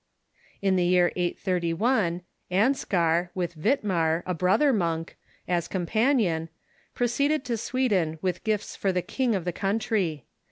In the year 831, Anskar, with Witmar, a brother monk, as companion, proceeded to Sweden with gifts for the king of the countrv.